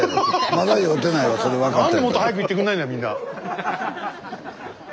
まだ酔うてないわそれ分かってる時。